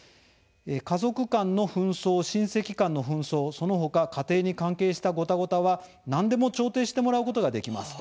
「家族間の紛争、親戚間の紛争その他、家庭に関係したごたごたは何でも調停してもらうことができます」。